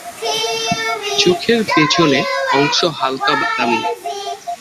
চোখের পিছনে অংশ হালকা বাদামি।